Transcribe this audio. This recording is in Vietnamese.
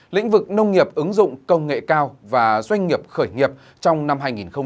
lĩnh vực nông nghiệp ứng dụng công nghệ cao và doanh nghiệp khởi nghiệp trong năm hai nghìn hai mươi